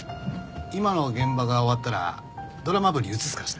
今の現場が終わったらドラマ部に移すからさ。